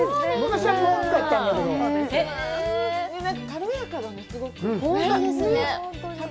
軽やかだね、すごく。